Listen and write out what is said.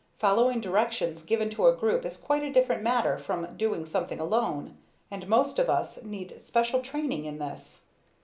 Following directions given to a group is quite a different matter from doing something alone, and most of us need special training in this.